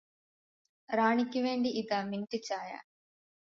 റാണിക്ക് വേണ്ടി ഇതാ മിന്റ് ചായ